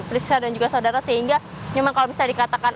priscia dan juga saudara sehingga memang kalau bisa dikatakan